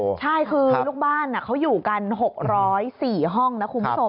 ใช่คือลูกบ้านเขาอยู่กัน๖๐๔ห้องนะคุณผู้ชม